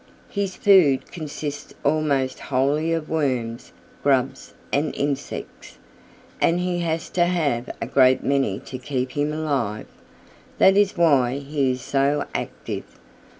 "His food consists almost wholly of worms, grubs and insects, and he has to have a great many to keep him alive. That is why he is so active.